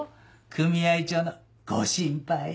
組合長の「ご心配」。